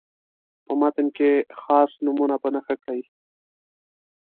په متن کې خاص نومونه په نښه کړئ.